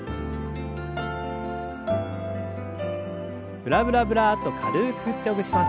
ブラブラブラッと軽く振ってほぐします。